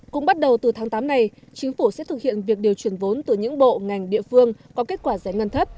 cũng bắt đầu từ tháng tám này chính phủ sẽ thực hiện việc điều chuyển vốn từ những bộ ngành địa phương có kết quả giải ngân thấp